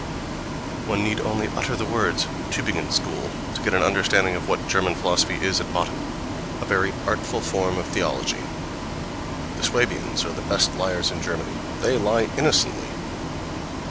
One need only utter the words "Tübingen School" to get an understanding of what German philosophy is at bottom—a very artful form of theology.... The Suabians are the best liars in Germany; they lie innocently....